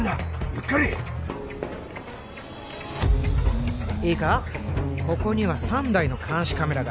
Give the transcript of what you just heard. ゆっくりいいかここには３台の監視カメラがある